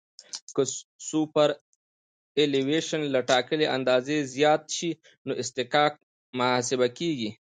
که سوپرایلیویشن له ټاکلې اندازې زیات شي نو اصطکاک محاسبه کیږي